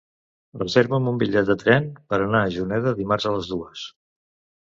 Reserva'm un bitllet de tren per anar a Juneda dimarts a les dues.